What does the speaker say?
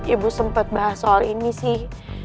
ibu sempat bahas soal ini sih